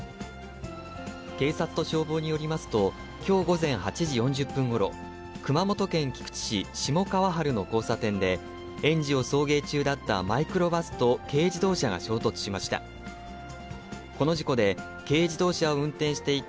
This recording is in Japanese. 警察と消防によりますと、きょう午前８時４０分ごろ、熊本県菊池市しもかわはるの交差点で、園児を送迎中だったマイクロバスと軽自動車が衝突しました。